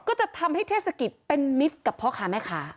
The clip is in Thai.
ก็จะทำให้เทศกิจเป็นมิตรกับพ่อค้าแม่ค้า